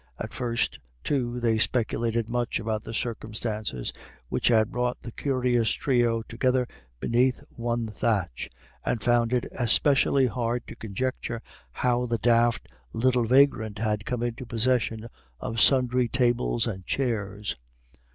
At first, too, they speculated much about the circumstances which had brought the curious trio together beneath one thatch, and found it especially hard to conjecture how the daft little vagrant had come into possession of sundry tables and chairs.